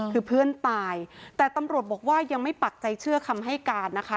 คือเพื่อนตายแต่ตำรวจบอกว่ายังไม่ปักใจเชื่อคำให้การนะคะ